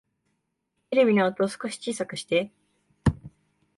テレビの音、少し小さくして